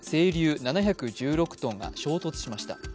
７１６ｔが衝突しました。